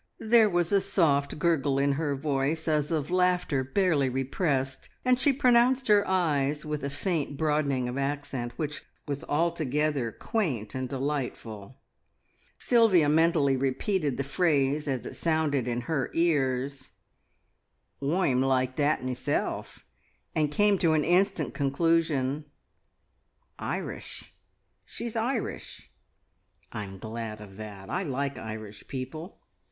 There was a soft gurgle in her voice as of laughter barely repressed, and she pronounced her i's with a faint broadening of accent, which was altogether quaint and delightful. Sylvia mentally repeated the phrase as it sounded in her ears, "Oi'm like that meself!" and came to an instant conclusion. "Irish! She's Irish. I'm glad of that. I like Irish people."